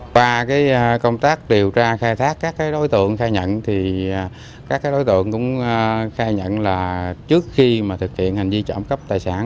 qua công tác điều tra khai thác các đối tượng khai nhận thì các đối tượng cũng khai nhận là trước khi mà thực hiện hành vi trộm cắp tài sản